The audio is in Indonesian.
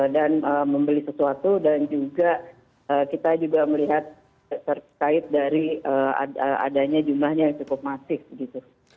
dan membeli sesuatu dan juga kita juga melihat terkait dari adanya jumlahnya yang cukup masif gitu